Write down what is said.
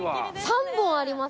３本あります。